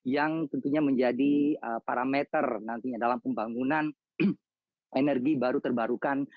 yang tentunya menjadi parameter nantinya dalam pembangunan energi baru terbarukan